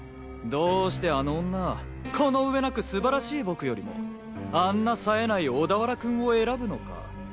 どうしてあの女この上なく素晴らしい僕よりもあんな冴えない小田原君を選ぶのか。